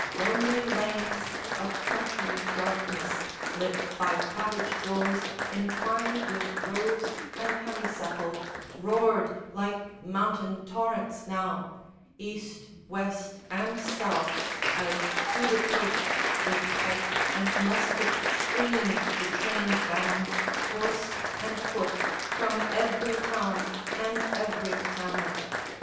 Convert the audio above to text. Lonely lanes Of country darkness, lit by cottage doors Entwined with rose and honeysuckle, roared Like mountain torrents now East, West, and South, As to the coasts with pike and musket streamed The trained bands, horse and foot, from every town And every hamlet.